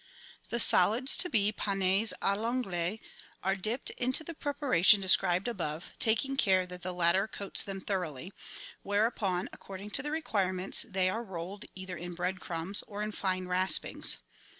— The solids to be panes a I'anglaise are dipped into the preparation described above, taking care that the latter coats them thoroughly; whereupon, according to the require ments, they arerolled either in bread crumbs or in fine raspings.